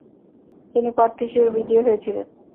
তিনি প্রার্থী হিসেবে বিজয়ী হয়েছিলেন।